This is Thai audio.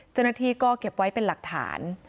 เจ้าหน้าที่ก็เก็บไว้เป็นหลักฐาน